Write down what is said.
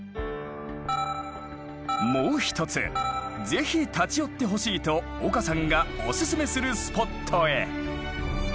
もう一つぜひ立ち寄ってほしいと岡さんがおすすめするスポットへ。